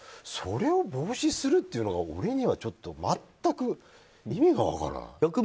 それを防止するっていうのが俺にはちょっと全く意味が分からない。